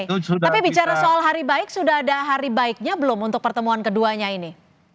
tapi bicara soal hari baik sudah ada hari baiknya belum untuk pertemuan keduanya ini